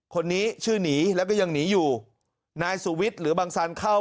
คนนี้ชื่อหนีแล้วก็ยังหนีอยู่นายสุวิทย์หรือบังสันเข้า